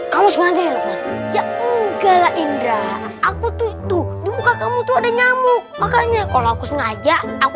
kamu sengaja ya enggak indra aku tuh tuh ada nyamuk makanya kalau aku sengaja aku